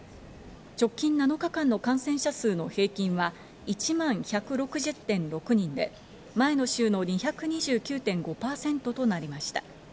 直近７日間の感染者数の平均は１万１６０．６人で、前の週の２２９．５％となりました。